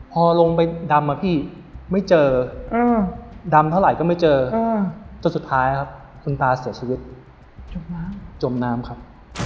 พอลงไปดำอะพี่ไม่เจอดำเท่าไหร่ก็ไม่เจอจนสุดท้ายครับคุณตาเสียชีวิตจมน้ำจมน้ำครับ